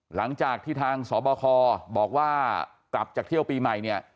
หลังจากที่ทางสบคบอกว่ากลับจากเที่ยวปีใหม่เนี่ย